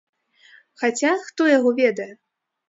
Хаця, хто яго ведае.